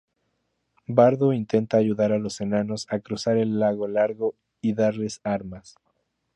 Bardo intenta ayudar a los enanos a cruzar el Lago Largo, y darles armas.